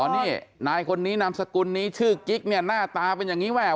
นี่นายคนนี้นามสกุลนี้ชื่อกิ๊กเนี่ยหน้าตาเป็นอย่างนี้แม่